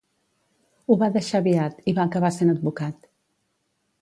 Ho va deixar aviat, i va acabar sent advocat.